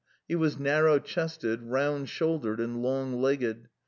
He was narrow chested, round shouldered, long ] egged.